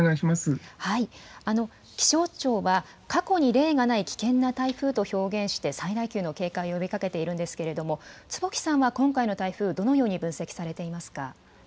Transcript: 気象庁は、過去に例がない危険な台風と表現して、最大級の警戒を呼びかけているんですけれども、坪木さんは今回の台風、どのように分析されていますか？